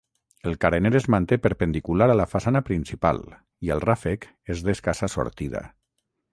El carener es manté perpendicular a la façana principal i el ràfec és d'escassa sortida.